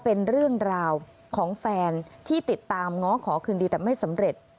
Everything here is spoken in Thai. เป็นเรื่องราวของแฟนที่ติดตามง้อขอคืนดีแต่ไม่สำเร็จ